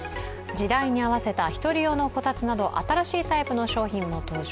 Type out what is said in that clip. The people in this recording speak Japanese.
時代に合わせた１人用のこたつなど、新しいタイプの商品も登場。